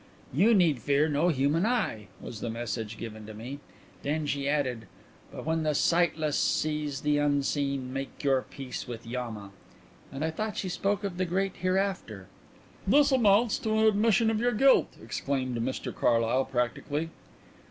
'You need fear no human eye,' was the message given to me. Then she added: 'But when the sightless sees the unseen, make your peace with Yama.' And I thought she spoke of the Great Hereafter!" "This amounts to an admission of your guilt," exclaimed Mr Carlyle practically.